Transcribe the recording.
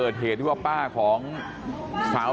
สวัสดีครับคุณผู้ชาย